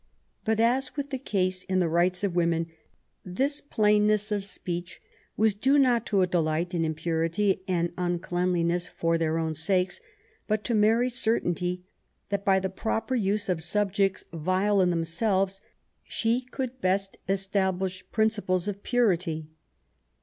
But, as was the case in the Rights of Women, this plainness of speech was due not to a delight in impurity and uncleanliness for their own sakes^ but to Mary's cer tainty that by the proper use of subjects vile in them selves, she could best establish principles of purity.